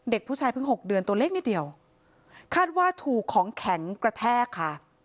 เด็กผู้ชายเพิ่งหกเดือนตัวเล็กนิดเดียวคาดว่าถูกของแข็งกระแทกค่ะ